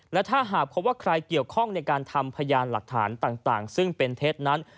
และถ้าหากพบว่าใครเกี่ยวข้องในการทำพยานหลักฐานต่างซึ่งเป็นเท็จนั้น